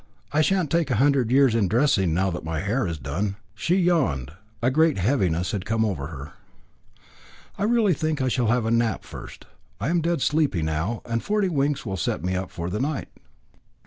"I shan't take a hundred years in dressing now that my hair is done." She yawned. A great heaviness had come over her. "I really think I shall have a nap first. I am dead sleepy now, and forty winks will set me up for the night."